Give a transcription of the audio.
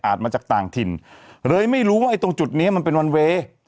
มาจากต่างถิ่นเลยไม่รู้ว่าไอ้ตรงจุดนี้มันเป็นวันเวย์